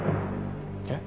えっ？